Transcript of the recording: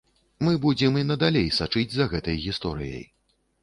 Мы будзем і надалей сачыць за гэтай гісторыяй.